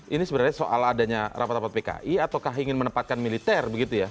ini sebenarnya soal adanya rapat rapat pki ataukah ingin menempatkan militer begitu ya